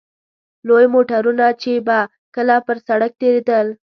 لوی موټرونه چې به کله پر سړک تېرېدل.